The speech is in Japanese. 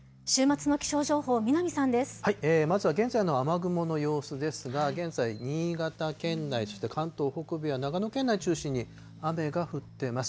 まずは現在の雨雲の様子ですが、現在、新潟県内、そして関東北部や長野県内中心に雨が降ってます。